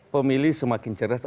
pemilih semakin cerdas